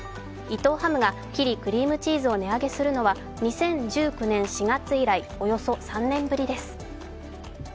伊藤ハムがキリクリームチーズを値上げするのは、２０１９年４月以来、およそ３年ぶりです